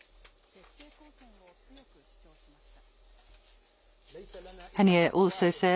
徹底抗戦を強く主張しました。